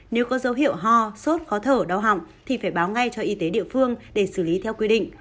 nếu có dấu hiệu ho sốt khó thở đau họng thì phải báo ngay cho y tế địa phương để xử lý theo quy định